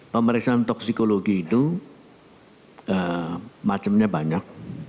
pemeriksaan toksikologi itu macamnya banyak